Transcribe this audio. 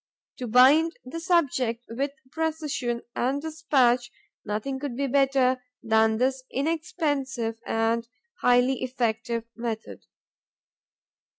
To bind the subject with precision and dispatch nothing could be better than this inexpensive and highly effective method.